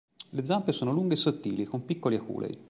Le zampe sono lunghe e sottili, con piccoli aculei.